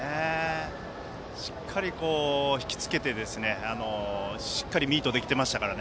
しっかり引き付けてしっかりミートできてましたから。